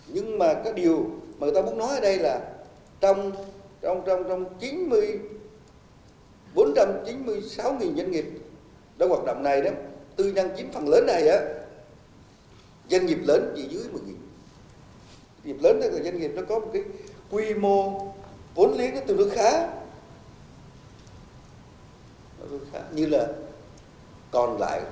nhưng mà các điều mà người ta muốn nói ở đây là trong chín mươi sáu doanh nghiệp đã hoạt động này tư nhân chiếm phần lớn này doanh nghiệp lớn chỉ dưới một mươi doanh nghiệp lớn có quy mô vốn liên tư được khá như là còn lại bốn trăm tám mươi sáu